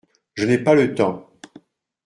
Je n’ai pas le temps !…